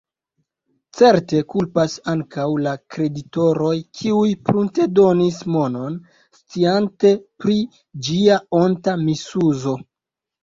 Certe kulpas ankaŭ la kreditoroj, kiuj pruntedonis monon, sciante pri ĝia onta misuzo.